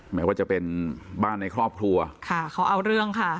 แม้ว่าจะเป็นบ้านในครอบครัวค่ะเขาเอาเรื่องค่ะ